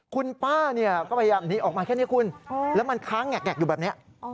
คุณป้าก็พยายามหนีออกมาแค่นี้คุณแล้วมันค้างแงกอยู่แบบนี้